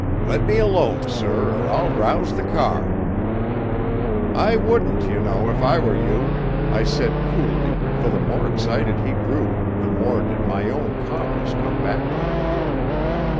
Let me alone, sir, or I'll rouse the car." "I wouldn't, you know, if I were you," I said coolly, for the more excited he grew the more did my own calmness come back to me.